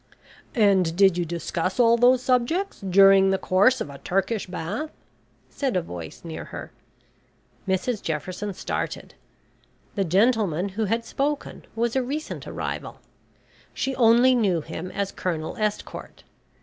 "And did you discuss all those subjects during the course of a Turkish Bath?" said a voice near her. Mrs Jefferson started. The gentleman who had spoken was a recent arrival. She only knew him as Colonel Estcourt.